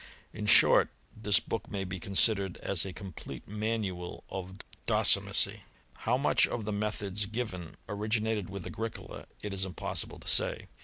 In short, this book may be considered as a complete manual of docimasy. How much of the methods given originated with Agricola it is im possible to say.